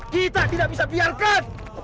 kita tidak bisa biarkan